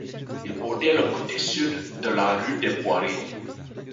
Il bordait le côté Sud de la rue des Poirées.